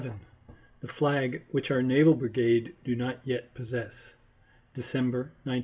VII THE FLAG WHICH OUR NAVAL BRIGADE DO NOT YET POSSESS _December, 1914.